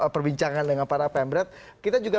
perbincangan dengan para pemret kita juga